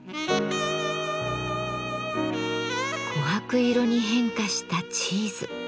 こはく色に変化したチーズ。